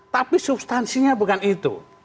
tapi substansinya bukan itu